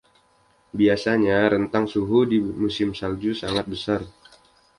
Biasanya, rentang suhu di musim salju sangat besar.